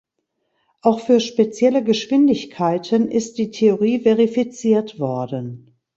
Auch für spezielle Geschwindigkeiten ist die Theorie verifiziert worden.